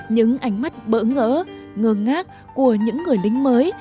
những ánh mắt bỡ ngỡ ngờ ngác của những người lính mới